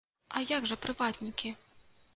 А як жа прыватнікі?